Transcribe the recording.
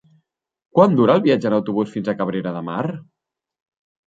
Quant dura el viatge en autobús fins a Cabrera de Mar?